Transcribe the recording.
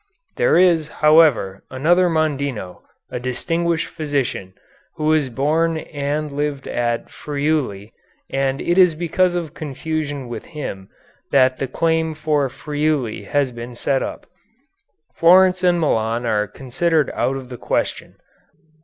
There is, however, another Mondino, a distinguished physician, who was born and lived at Friuli, and it is because of confusion with him that the claim for Friuli has been set up. Florence and Milan are considered out of the question.